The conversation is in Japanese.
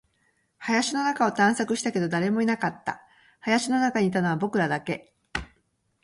林の中を探索したけど、誰もいなかった。林の中にいたのは僕らだけ。